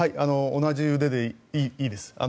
同じ腕でいいです。